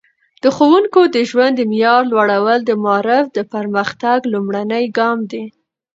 د ښوونکو د ژوند د معیار لوړول د معارف د پرمختګ لومړنی ګام دی.